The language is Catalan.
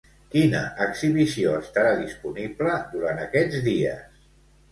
Quina exhibició estarà disponible durant aquests dies?